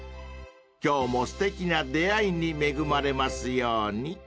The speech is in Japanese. ［今日もすてきな出会いに恵まれますように］